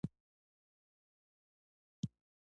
پر لاره مې د نورستان او بدخشان طبعي منظرې یادې شوې.